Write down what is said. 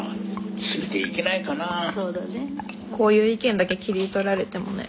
こういう意見だけ切り取られてもね。